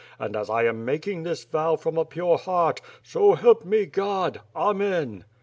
And as I am making this vow from a pure heart, so help help me, God, Amen."